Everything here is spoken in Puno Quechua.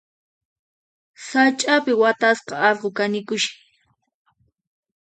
Sach'api watasqa allqu kanikushan.